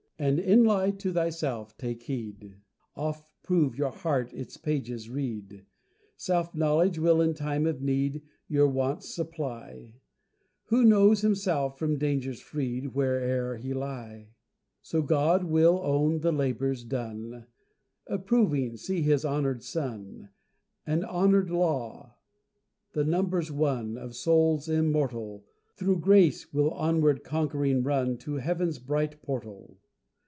And inly to thyself take heed, Oft prove your heart, its pages read, Self knowledge will, in time of need, Your wants supply; Who knows himself, from dangers freed, Where'er he lie. So God will own the labours done, Approving see His honoured Son, And honoured Law; and numbers won Of souls immortal, Through grace, will onward conquering run To heaven's bright portal.